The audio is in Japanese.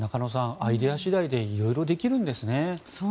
アイデア次第で色々できるんですね。